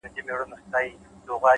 مثبت انسان فرصتونه ویني،